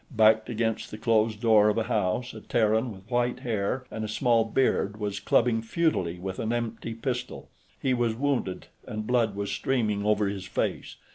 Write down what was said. Backed against the closed door of a house, a Terran with white hair and a small beard was clubbing futilely with an empty pistol. He was wounded, and blood was streaming over his face.